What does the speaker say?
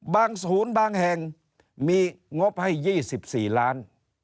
ศูนย์บางแห่งมีงบให้๒๔ล้าน